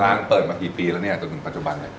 เปิดมากี่ปีแล้วเนี่ยจนถึงปัจจุบันเนี่ย